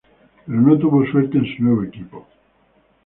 Pero no tuvo suerte en su nuevo equipo.